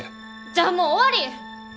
じゃあもう終わり！